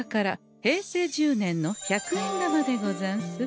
平成１０年の百円玉でござんす。